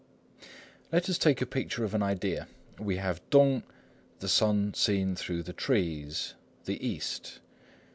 Let us take a picture of an idea. We have 東 tung = the sun seen through the trees,—"the east."